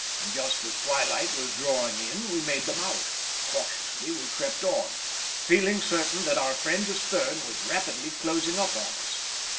Just as twilight was drawing in we made them out; cautiously we crept on, feeling certain that our friend astern was rapidly closing up on us.